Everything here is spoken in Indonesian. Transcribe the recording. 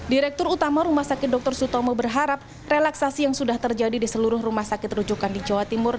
direktur utama rumah sakit dr sutomo berharap relaksasi yang sudah terjadi di seluruh rumah sakit rujukan di jawa timur